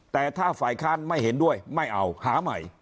แต่ถ้าฝ่ายค้านไม่เห็นด้วยไม่เอาหาใหม่